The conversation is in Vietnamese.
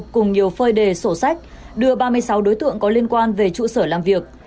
cùng nhiều phơi đề sổ sách đưa ba mươi sáu đối tượng có liên quan về trụ sở làm việc